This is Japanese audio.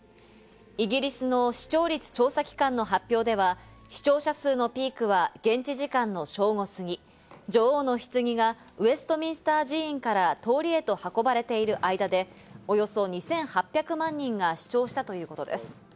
イギリスの視聴率調査機関の発表では、視聴者数のピークは現地時間の正午過ぎ、女王のひつぎがウェストミンスター寺院から通りへと運ばれている間で、およそ２８００万人が視聴したということです。